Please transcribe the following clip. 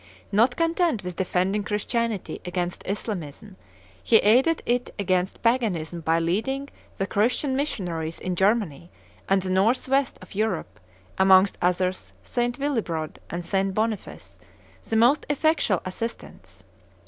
Not content with defending Christianity against Islamism, he aided it against Paganism by lending the Christian missionaries in Germany and the north west of Europe, amongst others St. Willibrod and St. Boniface, the most effectual assistance.